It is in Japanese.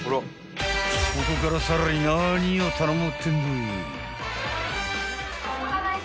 ［ここからさらに何を頼もうってんでい］